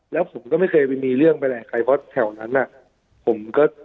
แล้วผมก็ไม่เคยมีเรื่องบ้างไหร่ของแหลียวนั้น